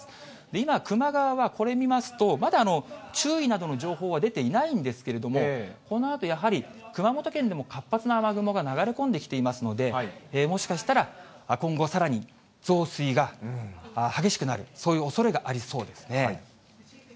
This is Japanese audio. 今、球磨川はこれ見ますと、まだ注意などの情報は出ていないんですけれども、このあとやはり、熊本県でも活発な雨雲が流れ込んできていますので、もしかしたら今後、さらに増水が激しくなる、そういうおそれがありそうですね。